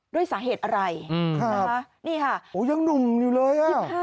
ด้วยสาเหตุอะไรนะคะนี่ค่ะพี่พ่อเองอ่ะยังหนุ่มอยู่เลย